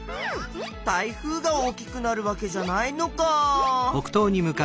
台風が大きくなるわけじゃないのか。